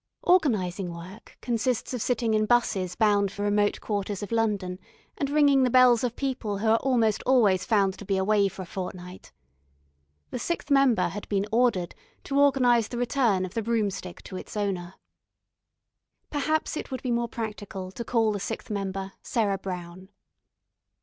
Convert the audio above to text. Organising work consists of sitting in 'buses bound for remote quarters of London, and ringing the bells of people who are almost always found to be away for a fortnight. The sixth member had been ordered to organise the return of the broomstick to its owner. Perhaps it would be more practical to call the sixth member Sarah Brown.